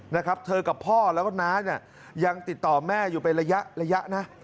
นะครับเธอกับพ่อแล้วก็น้าเนี่ยยังติดต่อแม่อยู่เป็นระยะระยะนะ